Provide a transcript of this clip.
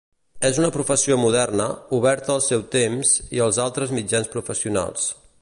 És una professió moderna, oberta al seu temps i els altres mitjans professionals.